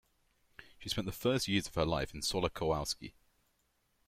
She spent the first years of her life in Solec Kujawski.